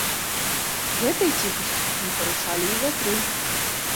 Гэтай ціхасці не парушалі і вятры.